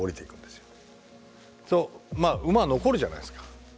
するとまあ馬は残るじゃないですか。